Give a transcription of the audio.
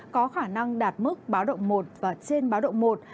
có khả năng đạt mức báo động một và trên báo động một